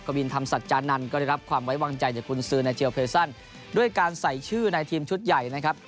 วินธรรมสัจจานันทร์ก็ได้รับความไว้วางใจจากกุญซือในเจลเพซันด้วยการใส่ชื่อในทีมชุดใหญ่นะครับ